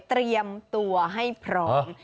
เตรียมตัวให้พร้อม